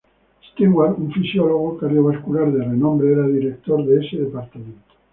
Stewart, un fisiólogo cardiovascular de renombre, era director de ese Departamento.